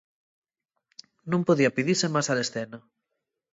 Nun podía pidise más a la escena.